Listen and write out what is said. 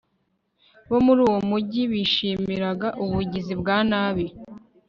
bo muri uwo mugi bishimiraga ubugizi bwa nabi